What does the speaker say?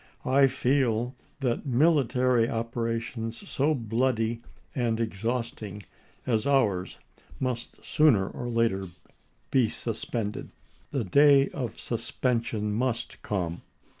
I feel that military operations so bloody and exhausting as ours must sooner or later be sus pended. The day of suspension must come.